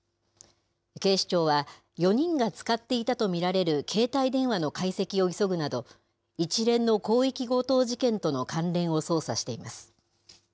警視庁は、４人が使っていたと見られる携帯電話の解析を急ぐなど、一連の広域強盗事件との関連を捜査しています。